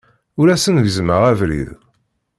Ur asen-gezzmeɣ abrid.